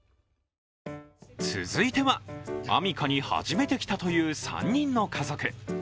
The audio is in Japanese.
続いては、アミカに初めて来たという３人の家族。